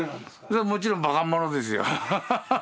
もちろんバカ者ですよ。